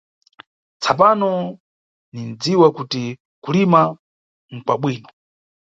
Tsapano ninʼdziwa kuti kulima nʼkwabwino.